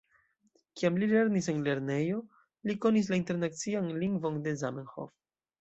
Kiam li lernis en lernejo, li konis la internacian lingvon de Zamenhof.